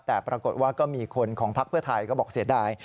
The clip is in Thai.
แต่ปรากฏว่าก็มีคนของพักเพื่อไทยก็บอกเสียดาย